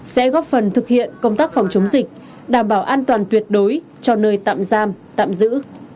sẽ góp phần thực hiện công tác phòng chống dịch đảm bảo an toàn tuyệt đối cho nơi tạm giam tạm giữ